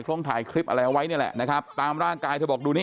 ลงถ่ายคลิปอะไรเอาไว้นี่แหละนะครับตามร่างกายเธอบอกดูนี่